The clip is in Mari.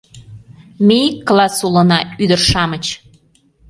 Ме ик класс улына, ӱдыр-шамыч!